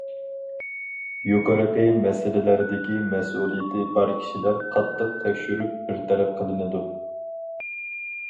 يۇقىرىقى مەسىلىلەردىكى مەسئۇلىيىتى بار كىشىلەر قاتتىق تەكشۈرۈپ بىر تەرەپ قىلىندى.